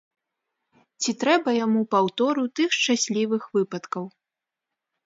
Ці трэба яму паўтору тых шчаслівых выпадкаў?